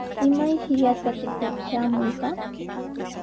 ¿Imayshi yatrachikuq traamunqa?